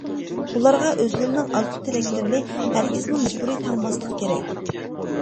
ئۇلارغا ئۆزلىرىنىڭ ئارزۇ-تىلەكلىرىنى ھەرگىزمۇ مەجبۇرىي تاڭماسلىقى كېرەك.